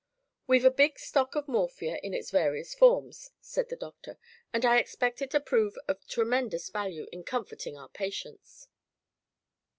"We've a big stock of morphia, in its various forms," said the doctor, "and I expect it to prove of tremendous value in comforting our patients."